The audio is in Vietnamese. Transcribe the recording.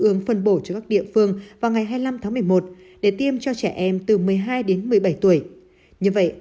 ương phân bổ cho các địa phương vào ngày hai mươi năm tháng một mươi một để tiêm cho trẻ em từ một mươi hai đến một mươi bảy tuổi như vậy